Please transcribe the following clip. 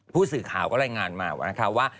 ผู้สื่อข่าวก็รายงานมานะคะว่า